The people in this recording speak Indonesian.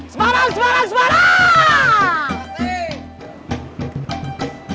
semarang semarang semarang